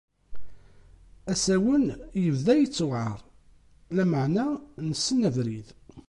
Asawen ibda yettewɛaṛ, lameɛna nessen abrid.